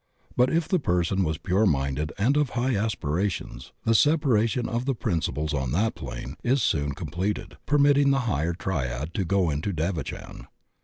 But if the person was pure minded and of high aspi rations, the separation of the principles on that plane is soon completed, permitting the higher triad to go into devachan.